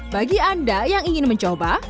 bagi anda yang ingin mencoba